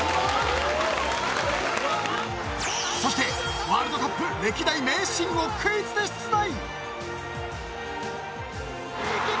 そして、ワールドカップ歴代名シーンをクイズで出題。